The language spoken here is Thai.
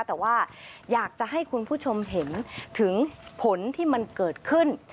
แต่ว่าอยากจะให้คุณผู้ชมเห็นถึงผลที่มันเกิดขึ้น